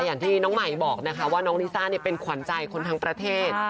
อย่างที่น้องใหม่บอกนะคะว่าน้องลิซ่าเป็นขวัญใจคนทั้งประเทศ